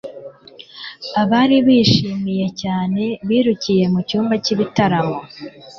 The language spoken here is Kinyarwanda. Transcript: Abari bishimiye cyane birukiye mu cyumba cy'ibitaramo.